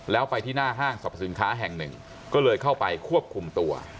แล้วไปที่หน้าห้างสรรพสินค้าแห่งหนึ่งก็เลยเข้าไปควบคุมตัว